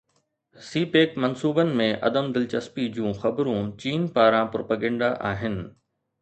سي pack منصوبن ۾ عدم دلچسپي جون خبرون چين پاران پروپيگنڊا آهن